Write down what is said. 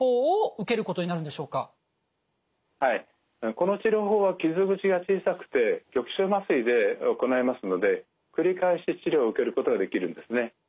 この治療法は傷口が小さくて局所麻酔で行えますので繰り返し治療を受けることができるんですね。